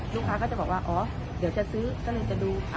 ลูกค้าก็จะบอกว่าเดี๋ยวจะซื้อต้องจะดู